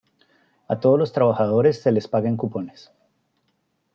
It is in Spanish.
A todos los trabajadores se les paga en cupones.